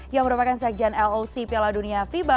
yang merupakan sejajaran loc piala dunia fiba dua ribu dua puluh tiga